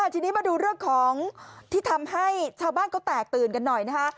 ทีนี้มาดูเรื่องของที่ทำให้ชาวบ้านก็แตกตื่นกันหน่อยนะคะ